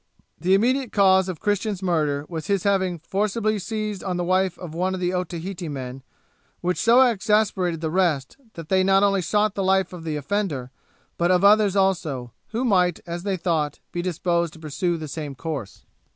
The immediate cause of Christian's murder was his having forcibly seized on the wife of one of the Otaheite men, which so exasperated the rest, that they not only sought the life of the offender, but of others also, who might, as they thought, be disposed to pursue the same course.